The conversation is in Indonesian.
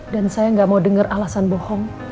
dan saya gak mau denger alasan bohong